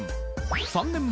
３年前